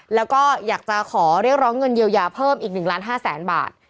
แล้วก็อยากจะขอเรียกร้องเงินเยียวยาเพิ่มอีก๑ล้าน๕แสนบาท